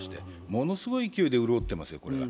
ものすごい勢いで潤っていますよ、これは。